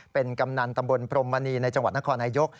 เป็นกำนันตำบลพรมมณีในจังหวัดนครนายก